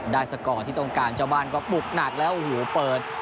สกอร์ที่ต้องการเจ้าบ้านก็ปลุกหนักแล้วโอ้โหเปิด